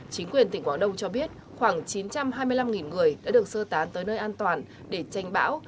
chính quyền tỉnh quảng đông cho biết khoảng chín trăm hai mươi năm người đã được sơ tán tới nơi an toàn để tranh bão